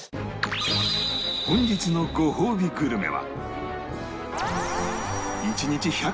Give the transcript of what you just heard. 本日のごほうびグルメは